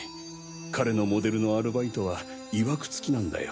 彼のモデルのアルバイトはいわくつきなんだよ。